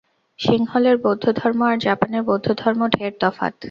সিংহলের বৌদ্ধধর্ম আর জাপানের বৌদ্ধধর্ম ঢের তফাত।